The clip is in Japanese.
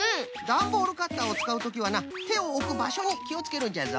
ダンボールカッターをつかうときはなてをおくばしょにきをつけるんじゃぞ。